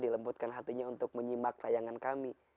dilembutkan hatinya untuk menyimak tayangan kami